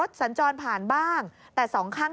โดดลงรถหรือยังไงครับ